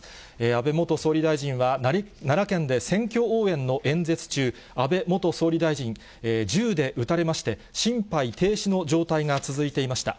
安倍元総理大臣は、奈良県で選挙応援の演説中、安倍元総理大臣、銃で撃たれまして、心肺停止の状態が続いていました。